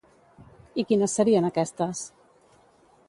I quines serien aquestes?